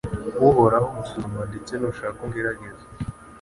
Uhoraho nsuzuma ndetse nushaka ungerageze